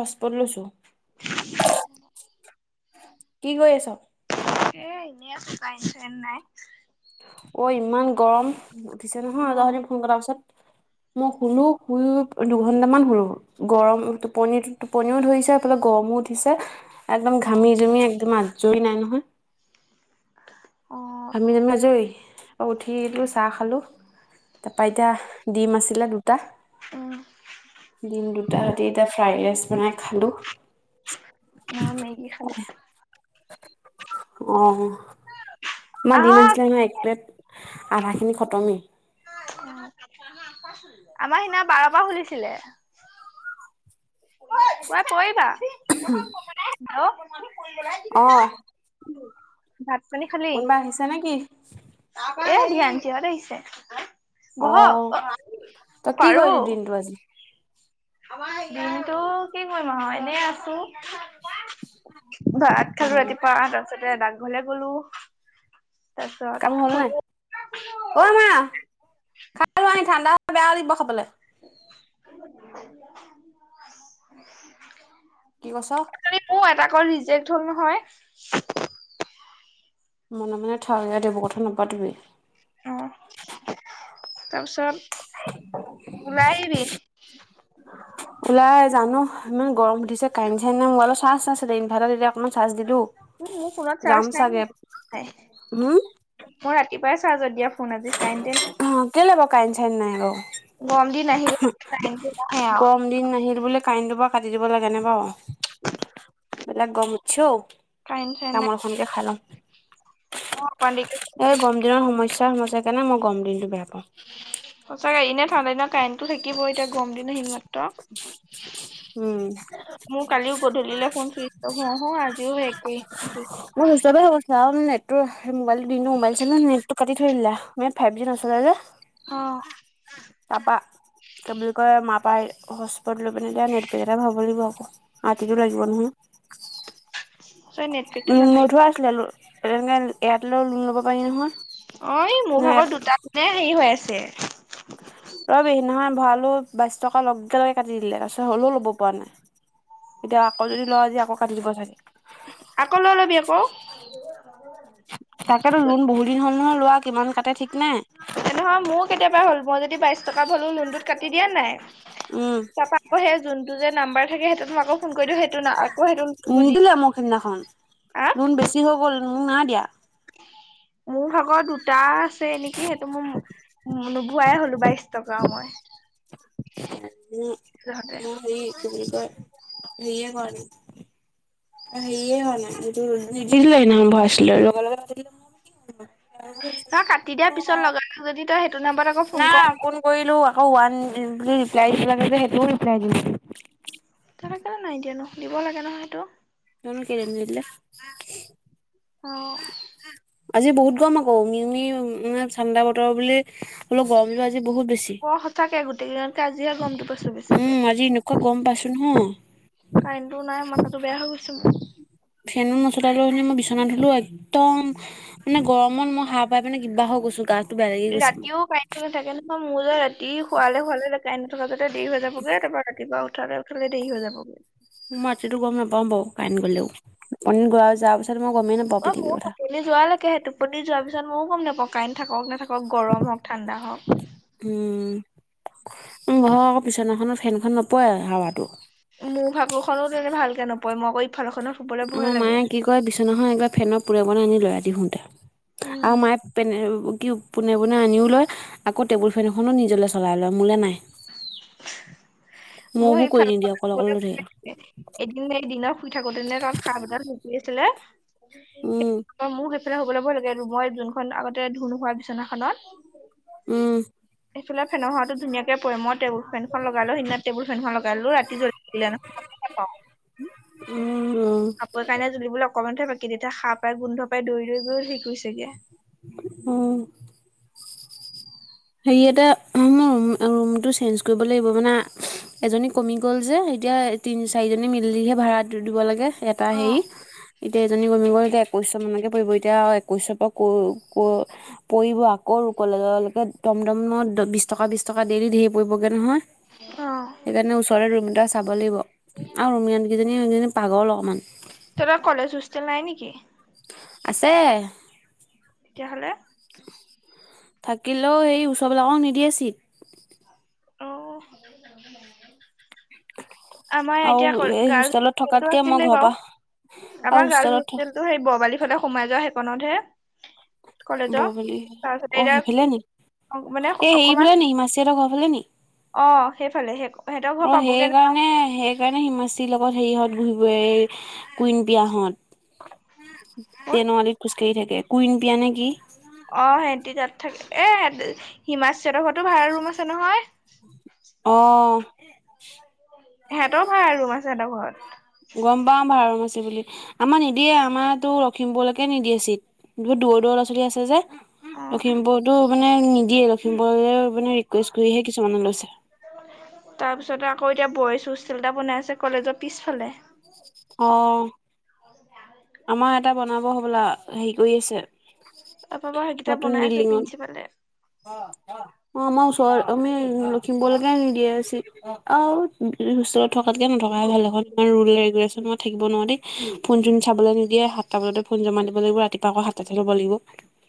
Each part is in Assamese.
হষ্ট পত লৈছো কি কৰি আছ? এ এনেইছো পাইছন নাই। অ ইমান গৰম উঠিছে অ নহয় যাহ দিম ফোন কটাৰ পাছত মই শুলো শুই দুঘন্ট মান শুলো গৰম টোনি টোপনিও ধৰিছেফালে গৰম উঠিছে একদম ঘামি জুমি একদম আজৰি নাই নহয়। অ' ঘামি জামি আজৰি? অ' উঠিলো চাহ খালো তাৰপা এতিয়া ডিম আছিলে দুটা উম দিম দুটা হতি এতিয়া ফ্ৰাইড ৰাইচ বনাই খালো। মই' মেগী খালোঁ অ' মই দিম আহা মানিছিলে নহয় এক প্লেট আধাখিনি খটমেই। আমাৰ সিনা বাৰ পৰা খুলিছিলে। ঐ পৰিবা হেল্ল' অহ' ভাত পানী খালি? কোনোবা আহিছে নেকি? এ ধ্যান থিহঁ হত আহিছে। বহক অ তই কি পাৰো কৰিলি দিনটো আজি? দিনটো কি কৰিম আৰু এনেই আছো। ভাত খালো অ', ৰাতিপুৱা আত তছাতে দাকঘলে গলো। তাৰপিছত কাম হ'ল নাই অ' মা খাই আ ঠাণ্ডা বেয়া লাগিব খাবলৈ। কি কছ? টা আকৌ ৰিজেক্ট হ'ল নহয়। মনে মনে থাক দে বহত ধন্যবাদ তুমি। অ তাৰপিছত ওলাই আহিবি ওলাই জানো ইমান গৰম উঠিছে কাৰেন চাইন নাই মোবাইলৰ চাৰ্জ আছিলে ইনভাৰ্টাৰ এতিয়া অকণমান চাৰ্জ দিলো উ মোৰ ফোনত যাম চাৰ্জ নাই ন চাগে নাই হুম, মই ৰাতিপুৱাই চাৰ্জত দিয়া ফোন আজিছ কাইণ্টে নাই কেলে নাই অ গৰম দিন আহিলে কাৰেণ্টটো নাহে আৰু গম দিন নাহিল বোলে কাইনটোৰ পৰা কাটি দিব লাগে নে বাৰু বেলেক গম উঠছে ও কাৰেণ্ট চাৰেণ্ট নাই তামলখনকে খাই লওঁ অকমান এই দেৰিকে গম দিনৰ সমস্যাই সমস্যা সেই কাৰণে মই গম দিনতটো বেয়া পাওঁ এনেই ভালড দ ন কাৰেণ্টটো থাকিব এতিয়া গম দিন সি ইত উম মোৰ কালিও গধূলিলে ফোন চুইচ অফ হওঁ হওঁ আজিও সেই একেই ফোন চুইচ উ হিচাপে হ চা সেই মোবাইল টোথনেটো কাটি থৈ দিলা মানে ফাইভ জি নচললে যে অহ পাপা বুলি কয় মা পাই হস্পট লৈ পনে দিয়য়া নেটবেক এটা ভাব লাগিব আকৌ মতিটোো লাগিব নহয় [unintelligible] চোন নেটপেকটো উ নাথাকে নোধোৱা আছিলে এনেকে ইয়াাত লৈও ল ল'ব পাৰি নহয় অ এই মোৰ ভাগৰ দুটা মনে হেৰি হৈ আছে উ ৰবেহি নহয় ভৰালো বাইশ টকা লগে লগে কাটি দিলে তাৰপিছত হ'লেও ল'ব পৰা নাই এতিয়া আকৌ যদি লৰা আজি আকৌ কাটি দিব চাগে আকৌ লৈ ল'বি আকৌ তাকেটো লোন বহুদিন হল' নহয় লোৱা কিমান কাটে ঠিক নে নহয় মোৰো কেতিয়াবা হ'ল মই যদি পাইছো ল লোনত কাটি দিয়া নাই উম তকৌ যোন ন্ব থ নি দি দিলে মোৰখিদিনাখন হা নুন বেছি হৈ গ'ল ন নাই দিয়া [inaudible] মোৰ ভাগৰ দুটা আছে নেকি সেইটো মোৰ নুবোৱাই হলো বাইশ টকা মই [unintelligible] মোৰ হেৰি যহতে কিণবুলি বুলি কয় হেৰিয়ে কৰাোৱা ন সেয়ে হোৱা নাই নিদিলে স আৰম্ভ আছিলো লগ লগ নহয় কাটি দিয়াৰ পিছত লগালে যদি তই সেইটো নাম্বাৰত আকৌ কৰ নাই ফোন কৰিলো আকৌ ওৱান ৰিপ্লাই দ সেইটো ৰিপ্লাই দি তেনেক নাই দিয়ে নো দিব লাগে নহয় সেইটো জানো কেইলেই নিদিলে অ আজি বহুত গম আকৌ মিমি মানে ঠাণ্দা বতৰ বুলি অলপ গৰম টো আজি বহুত বেছি অ সঁচাকে গোটেই কেইদিনতকে আজিহে গমটো পাইছো বেছিকে উম আজি এনেকুৱা গম পাচো নহয় কাৰেনটো নাই মাথাটো বেয়া হৈ গৈছো মোৰ ফেনতনচলা লৈনে মই বিচনা ধুলো একদম মানে গৰমত মই সাপ পাই পেনে কিবা হৈ গৈছো বেয়া লাগি গৈছে মোৰ ৰাতিও কাই নাথাকে নকহয় মোৰ যে ৰাতি শুৱালে শুৱালোই নথকা দেৰি হৈ যাবগে তাৰপা ৰাতিপুৱা উঠে উঠালে দেৰি হৈ যাবগৈ মই ৰাতিতটো গম নাপাও বাৰু কাইন গ'লেগ টোপনি যোৱাৰ পাছত অ ময়ো সেলি যোৱ লকেই হে টোপনি যোৱাৰ পিছত ময়ও গম নাপাওঁ কাইৰেণ্ট থাকক নাথাকক গৰম হওক ঠাণ্ডা হওক উম উ ঘৰ আকৌ বিছনাখনত ফেনখন নপৰে হাৱাটো মোৰ শাকু খো তেনে ভালকে নপৰে মই আকৌ ইফালেখনো আমাৰ মায়ে কি কয় বিচনাখন একবাৰ ফেনৰ পোনে পোনে আনি লয় ৰাতিশুতে আৰু উম মায়ে পনে কি পোনে পোনে আনিও লয় আক টেবুল ফেন এখনো নিজলৈ চলাই লয় মোলৈ নাই মোৰ বোৰ কৰি নিদিয়ে অকলে অকলে এইফালৰ লৈ থাকে। এদিন নে এইদিন শুই থাকোঁতে ন তাত খাহ ভডাল লুকি আছিলে উম হ'ব ল'ব লাগে মই যোনখন আগতে ধুণোহোৱা বিচনাখনত উম এইফে ফেনৰ হ ধুনাক কে পৰে মই েবুল ফেন লগ লো সদিনা েবুল ফেনখন লগ কালো ৰাতি জ্বল ন নাপা উম উম কাপোৰ কাৰণে জুলিব অকমানহে বাকী তেতিয়া খা পাই গোন্ধ পাই দৌ দৌ গৈও শেৰি কৰিছেগে উম। হেৰি এটা মোৰ ম ৰুমটো চেঞ্জ কৰিব লাগিব মানে এজনী কমি গ'ল যে এতিয়া তিনি চাৰিজনী মিলিহে ভাড়াটো দিব লাগে। এটা অ হেৰি এতিয়া এজনী কমি গল একৈশশ মানকে পৰিব এতিয়া একৈশৰ পৰা ক পৰিব আকৌ কলেজৰ লৈকে দম দম নত বিশ টকা বিশ টকা দেইলি ধেৰ পৰিবগৈ নহয় অ সেইকাৰণে ওচৰৰে দুটা চাব লাগিব, আৰু ৰমীয়ান কেইজনী সেইজনী পাগল অকমান তৰা কলেজ হোষ্টেল নাই নেকি আছে তেতিয়াহ'লে থাকিলেও সেই ওচৰবলাকক নিদিয়েছিলিত অ আমাৰ আৰু এতিয়া এই গাৰ্লছ হোষ্টেলত হোষ্টেলটো থকাতকে মই আছিলে ঘৰ বাৰু পা আমাৰ গাৰ্ল হোষ্টেলটো সেই বৰবালিৰ ফালে সোমাই যোৱা সেইকনতহে [unintelligible] ব বুলি তাৰপিছতে অ এতিয়া সেইফালে নেকি মানে এ অকমান হেফালে নে হি মাচিয়ঁতক অ সেইফালে শে ক অ সেইকাৰণে সেইকাৰণে হিমাচিৰ লগত হেৰি হ বহিব কুইন পিয়াহত কোন তেইনৰ আলীত খোজ কাঢ়ি থাকে। কুইন পিয়া নে কি? অ সেহট তাত থাকে এ হিমাশ্বীহতৰ ঘৰতো ভাড়া ৰুম আছে নহয় আহ সিহঁতৰো ভাড়া ৰুম আছে সিহঁতৰ ঘৰত গম পাও ভাৰাবোৰ বুলি আমাৰ নিদিয়ে আমাৰতো লখিমপুৰলৈকে নিদিয়ে চিট বহুত দূৰ দূৰ ল'ৰা ছোৱালী আছে যে অ লখিমপুৰতো মানে নিদিয়ে, লখিমপুৰলৈ মানে ৰিকুৱেষ্ট কৰিহে কিছুমানে লৈছে। তাৰ পিছত আকৌ এতিয়া বইজ হোষ্টেল এটা বনাই আছে কলেজৰ পিছফালে অ। আমাৰ এটা বনাব হবলা, হেৰি কৰি আছে। তাৰপৰা বাৰু সেইকেইটা নতুন বনাই আছে বিল্ডিঙত, প্ৰিন্সিপালে অ' আমাৰ ওচৰ। আমি লখিমপুৰলৈকে নিদিয়ে ছিট, আউ হোষ্টেলত থকাতকে নথকা ভাল এখন ৰুলে গৈ আছে মই থাকিব নোৱাৰো দৈই, ফোন চোন চাবলৈ নিদিয়ে, সাতটা বজতে জমা দিব লাগিব, ৰাতিপা আকৌ সাতাটাতে ল'ব লাগিব।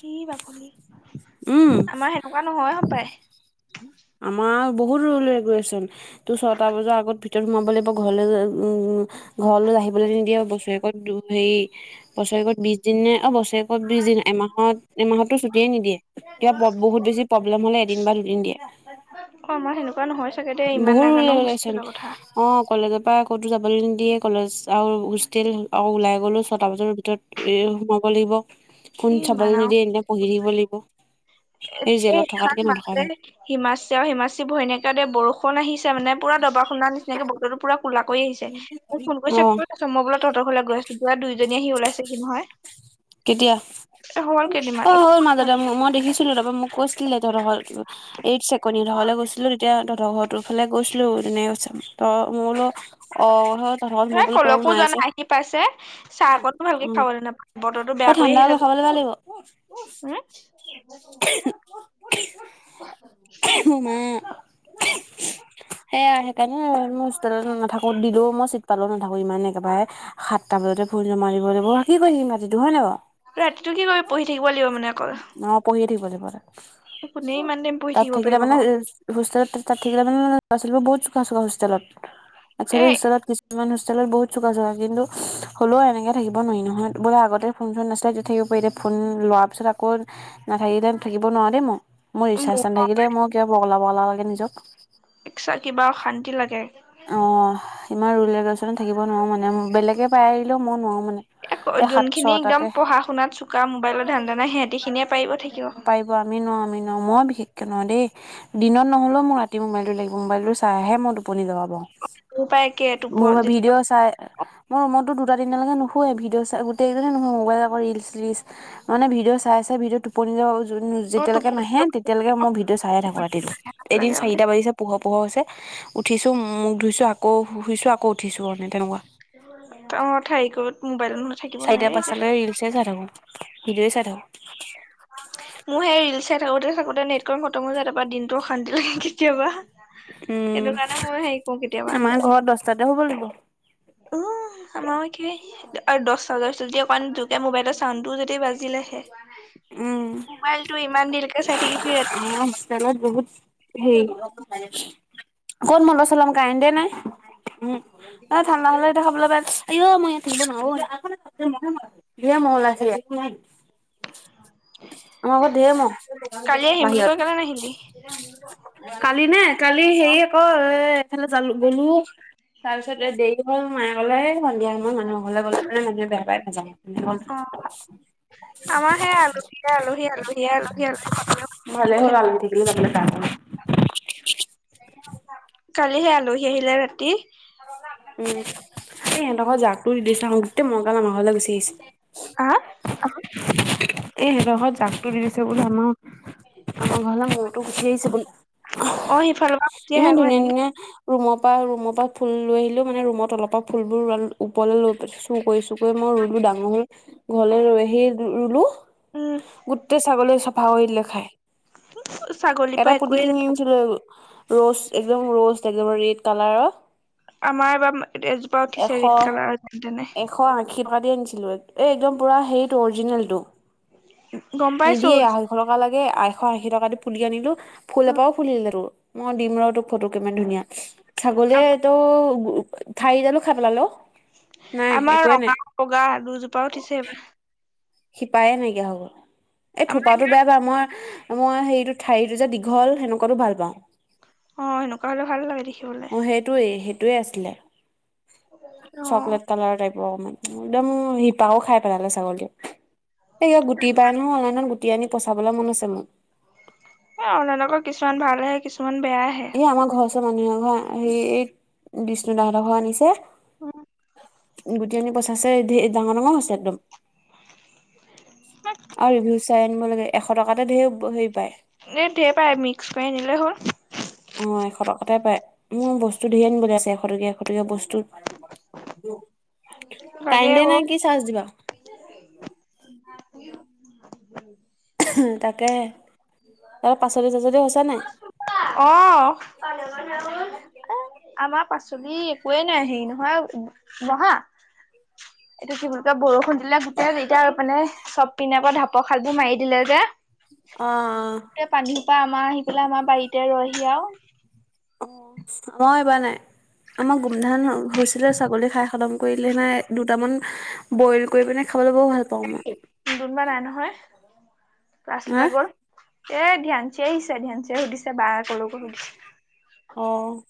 কি বাকলি, উম আমাৰ সেনেকুৱা নহয় হ‌ পায়। আমাৰ বহুত দূৰলৈ গৈ আচোন তোৰ ছয়টা বজাৰ আগত ৰত সোমাব লাগিব ঘৰলৈ উম ঘৰলৈ আহিবলৈ নিদিয়ে বছৰেকত হেৰি বছৰেকত বিশ দিন‌নে‌ অ বছ বছেৰেকত বিশ দিন, এমাহত এমাহতো ছুটিয়ে নিদিয়ে, কতিয়া বহুত বেছি প্ৰব্লেম হলে এদিন বা দুদিন দিয়ে। ক ক মই। বহুত ৰিলেচোন কথা। অ কলেজৰ পৰা কতো যাবলৈ নিদিয়ে কলেজ আৰু হোষ্টেল ওলাই গ'লো ছটা বজাৰ ভিতৰত এই সোমাব লাগিব। এ ফোন ইমান চাবলৈ আও নিদিয়ে এদিনা পঢ়ি থাকিব লাগিব। এই, জেলত এইখন থকাতকে নথকাই মাজতে ভাল হিমাচি আৰু হিমাচী ভৈনকে বৰষুণ আহিছে। মানে পুৰা দবা‌ শুনানিচিনাকে বতৰতো পুৰা কোলা কৰি আহছে, মোক ফোন অ কৰিছে কত আছ, মই বোলো তহতৰ ঘৰলৈ গছতো পৰা দুইজনী আহি ওলাইছেহি নহয়। কেতিয়া, হ'ল কেইদিনমান অ একো হ'ল মাজতে মই দেখিছিলো তাপা মোক কৈছিলে, তহঁতৰ ঘৰত এক ছেকেণ্ডৰি ঘৰলৈ গৈছিলো তেতিয়া‌ তহঁতৰ ফালে গৈছিলো তেনেকে কৈছে। ত মলো। অ হয, তহতঁৰ ঘৰত মই এ বোলো তই কলৈকো সোমাই যোৱা আহিছে। নাই আহি পাইছে। চাহ অকনো ভালকে উম' খাবলৈ নাপায় বতৰটো অ বেয়া কৰি ঠাণ্ডা হল আহিলে খাবলৈ ভাল লাগিব উম। [unintelligible] সেয়া সেইকাৰণে মোৰ হোষ্টেলত নাথাকো দিলেও মই চিট পালেও নাথাকো ইমান একেবাৰে সাতটা বজতে ফোন জমা দিব লাগিব যিটো হয় না বা ৰাতিটো কি কৰিব পঢ়ি থাকিব লাগিব মানে অকল অ পঢ়িয়ে থাকিব লাগিব তাত কোনে ইমান টাইম পঢ়ি তাত থাকিব থাকিলে পাৰিব মানে বাৰু এ হো ঠিক মানে ল'ৰাালবোৰ বহুত চোকা চ হোতত হত এ বহুত চোকা ছোৱালী কিন্তু হ'লেও এনেকে থাকিব নোৱাৰি নহয়। বোলো আগতে ফোন চোন নাছিলে তেতিয়া থাকিব পাৰি দে, ফোন লোৱাৰ পিছত আকৌ হেৰিদে থাকিব নোৱাৰ দেই মই। মই ৰিচাৰ্ছ মোৰ নাথাকিলে মই কিবা বগলা বগলা লাগে নিজক। এক্সট্ৰা কিবা অশান্তি লাগে। অ'। ইমান ৰুল ৰেগেশ্যনত থাকিব নোৱাৰু মানে, বেলেগে পাৰিলেও মই নোৱাৰো মানে এই সাত যোনখিনি ছটাতে একদম পঢ়া শুনাত চোকা মোবাইলৰ ধান্দা নাই সিহঁতি খিনিয়ে পাৰিব থাকিব। পাইব আমি নোৱাও। অ মই বিশেষকৈ নোৱাৰু দেই, দিনত নহ'লেও মোক ৰাতি মোবাইলটো লাগিব, মোবাইলটো চাইহে মই টোপনি যাব পাৰো। মোৰ পাই একে মোৰ টোপনি যেতিয়া ভিডিঅ' চাই মোৰ মত দুটা দিননাৈে নুোৱে ভিঅ' চ গটেই নহয় মোবাইল আৌ ৰিল ৰিল মানে ভিডিঅ' চাই চ ভিডিঅ টোপনি যা য অ যেতিয়ালৈকে টোপনি নাহে তেতিয়ালকেই ভিডিঅ চাই থাকো ৰাতিটো এদিন লাগে চাৰটা বাজিছে পোহৰ পোহৰ হৈছে উঠিছোঁ মোক ধুইছোঁ আকৌ শুইছোঁ আকৌ উঠিছোঁ মানে তেনেকুৱা ত মঠাৰি কত চাৰিটা পাঁচটালৈকে ৰিলচ চাই থাকো ভিডিঅ' চাই থাকো মোৰ সেই ৰিলচাই থাকোতে থাকোতে নেট কৰি খতম হৈ যায় তাৰপৰা দিনটো অশান্তি লাগে কেতিয়াবা উম সেইটো কাৰণে ময় হেৰি কৰো কেতিয়াবা আমাৰ ঘৰত দহটাতে শুব লাগিব উম আমাও একে আৰু দহ হাজাৰ পি যদি অকণ জোকে মোবাইলৰ চাউণ্ডও যদি বাজিলেহে মোবাইলটো ইমান দেৰিকে চাই থাকিব অ তলত বহুত সেই ক'ত মন্দ চলাম কাৰেণ্টে নাই উম ঠাণ্ডা হলে এতিয়া খাবলৈ পাই অ অ মই ই থিব ন বিয়া মল আছে আমাৰ ঘৰত ধেই ম'হ কালি আহিম বুলি কৈ কেলে নাহিলি? বাহিৰত কালি নে কালি হেৰি আকৌ এ এইফালে জালো গলো তাৰপিছত দেৰি হ'ল মায়ে অকলে সন্ধিয়া মানুহকলে গলেে মানুে বেয়া বাই অ' অ'। আমাৰ সেই আলহীয়ে আলহী আলহীয়ে আলহী আলহী খতমে ভাল হ হোৱা আল ঠিকলে তাকিল কাৰাই [unintelligible] কালিহে আলহী আহিলে ৰাতি উম সিহঁতক জাকো দি দিছা গোতেই মহগাল লে গুচি আহিছে হা এইহতত জাকটো দিছে বুলি আম আমাৰ ঘৰ মতো গুঠি আহাইছে বুলি অ সিফালৰ পৰা মাতি আহে ইমান আকৌ ধুনীয়া সেনেকে ধুনীয়া ৰুমৰ পৰা ৰুমৰ পৰা ফুল লৈ আহিলো মানে ৰুমত অলপ পৰা ফুলবোৰ ওৰলৈ লৈ চু কৰি চোৈ মই ৰুলো ডাঙৰ হ ঘৰলে ৰৈ সেই ৰুলো উম গোটেই ছাগলী চাফা কৰিলে খাই ছাগলীৰ এটা পৰা পুুলি একোৱেই কিন নাথাকে আনিছিলো ৰোষ্ট একদম ৰোষ্ট একদম ৰেড কালাৰ আমাৰ এবাৰ এজোপা উঠিছে এশ ৰেড কালাৰৰ যেন তেনে এশ আশীৰ পৰা দি আনিছিলো এই একদম পূৰা হেৰিটো অৰিজিনেলটো গম পাইছো নিদিয়ে আঢ়ৈশ টকা লাগে আঢৈশ আশী টকা দি পুলি আনিলো ফুল এপ পৰাও ফুলিলে তোৰ মই দিম ৰ তোক ফটো কিমান ধুনীয়া ছাগলীয়ে তটো ঠাই জানো খাই পেলাল আমাৰ ৰঙাও বগা দুজোপা উঠিছে এইবাৰ শিপায়ে নাইকিয়া হৈ গল, এই আমাৰ থোপাটো বেয়া [unintelligible] মই মই সেইটো ঠাৰিটো যে দীঘল, সেনেকুৱাতো ভাল পাওঁ। অ', সেনেকুৱা হলে ভাল লাগে দেখিবলে। মই সেইটোৱে [unintelligible] আছিলে, অ চকলেট কালাৰৰ টাইপ [unintelligible] একদম, শিপাও খাই পেলালে ছাগলীয়ে। এই গুটি পাই নহয় অনলাইনত, গুটি আনি পচাবলৈ মন আছে মোৰ। এ অনালোকৰ কিছুমান ভালেহে কিছুমান বেয়া আহে এ আমাৰ ঘৰ ওৰ মানুহৰ ঘৰ হে এই বিষ্ণুদতৰ ঘৰ আনিছে অ গুট আানী পচাছেৰ ডাঙৰ ডাঙৰ হৈছে একদম আৰু ৰিভিউ চাই আনিব লাগে এশ টকাতে ধেৰ হে এই ৰ পাই মিক্স কৰি আনিলে হ'ল অ', এশ টকাতে পায়। উম, বস্তু ধেৰ আনিবলৈ আছে, এশ টকীয়া এশ টকীয়া বস্তু লাগে কাৰেন্তে অ নাই, কি চাৰ্জ দিবা। [inaudible] [unintelligible] তাকে। তাৰ পাচলি চাচলি হৈছে নাই অহ, পানী অকণ দিয়াচোন। এ আমাৰ পাচলি একোৱে নাই, হেৰি নহয়, বহা [inaudible] এইটো কি বুলি কয়, বৰষুণ দিলে গোটেই যেতিয়া আৰু মানে চব পিনে আকৌ ঢাপৰ খাল বোৰ মাৰি দিলে যে অ গোটেই পানীসোপা পৰা আমাৰ আহি পেলাই আমাৰ বাৰীতে ৰইহি আৰু। অ', এইবাৰ নাই আমাৰ গোমধান হৈছিলে, ছাগলীয়ে খাই খতম কৰি দিলে নহয়, দুটামান বইল কৰি পিনে খা খাবলে বৰ ভাল পাওঁ মই। [unintelligible] হা ক্লাছলৈ গল। এ, ধ্যানচি আহিছে, ধ্যানচিয়ে সুধিছে বা কলে গল সুধিছে। অ'।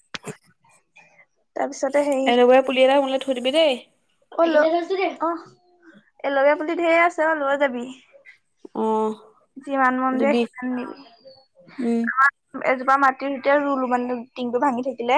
তাৰপিছতে এনেকুৱাই পুলি এটা মুলে থৈ দিবি দেই। [unintelligible] অহ, এনেকুৱা পুলি ধেৰ আছে অ', লৈ যাবি। অ যিমান মন যায় দিবি সিমান নিবি, উম [unintelligible] এজোপা মাটিৰ সৈতে ৰুলো মানে, তিংটো ভাঙি থাকিলে